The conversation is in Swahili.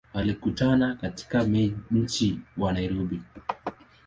Walikutana katika mji wa Nairobi.